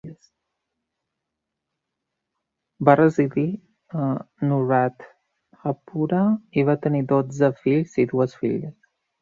Va residir a Anuradhapura i va tenir dotze fills i dues filles.